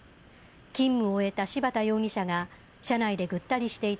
勤務を終えた柴田容疑者が車内でぐったりしていた